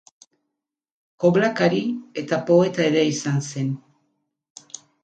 Koblakari eta poeta ere izan zen.